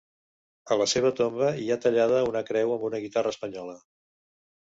A la seva tomba hi ha tallada una creu amb una guitarra espanyola.